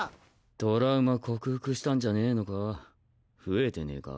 トラウマ克服したんじゃねェのか増えてねェか？